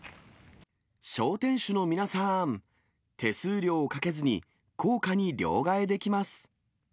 商店主の皆さん、手数料をかけずに硬貨に両替できます！